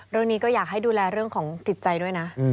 เรื่องนี้ก็อยากให้ดูแลเรื่องของจิตใจด้วยนะ